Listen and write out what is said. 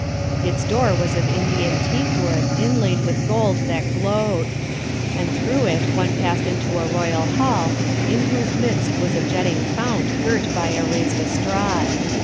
Its door was of Indian teak wood inlaid with gold that glowed; and through it one passed into a royal hall in whose midst was a jetting fount girt by a raised estrade.